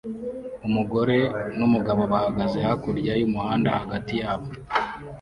umugore numugabo bahagaze hakurya yumuhanda hagati yabo